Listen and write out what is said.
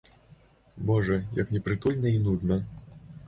Божа, як непрытульна і нудна!